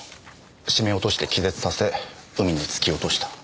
絞め落として気絶させ海に突き落とした。